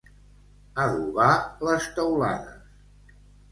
Adobar les teulades.